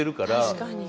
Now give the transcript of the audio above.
確かに。